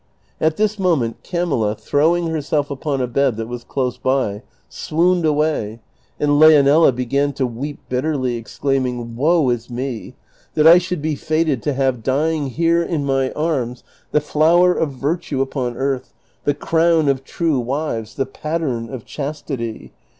At this moment Camilla, throwing herself upon a bed that was close by, swooned away, and Leonela began to weep bitterly, exclaiming, " Woe is me! that I should be fated to have dying here in my arms the flower of virtue upon earth, the ci'own of true wives, the pattern of chastity!"